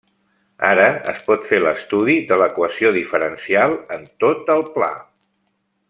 Ara es pot fer l'estudi de l'equació diferencial en tot el pla.